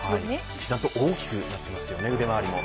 一段と大きくなってますよね腕周りも。